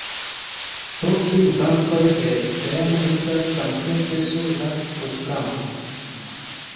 Po tri ludantoj de teamo estas samtempe sur la ludkampo.